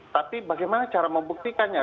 tapi bagaimana cara membuktikannya